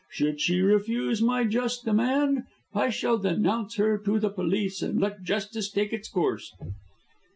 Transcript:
Should she refuse my just demand, I shall denounce her to the police and let justice take its course."